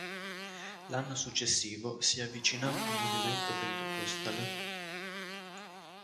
L'anno successivo si è avvicinato al movimento pentecostale.